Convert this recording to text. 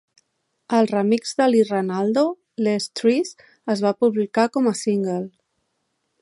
El remix de Lee Ranaldo, "Lee's Trees", es va publicar com a single.